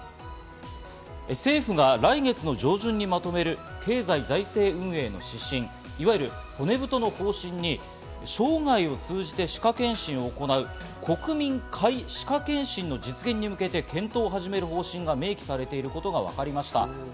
政府が来月上旬にまとめる経済財政運営の指針、いわゆる骨太の方針に生涯を通じて歯科検診を行う国民皆歯科検診の実現に向けて検討を始める方針が明記されていることがわかりました。